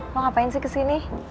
lo ngapain sih kesini